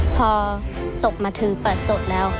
พอศพมาถือเปิดสดแล้วค่ะ